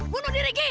bunuh diri g